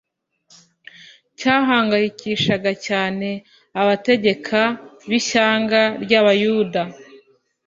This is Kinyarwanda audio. cyahangayikishaga cyane abategeka b'ishyanga ry'Abayuda.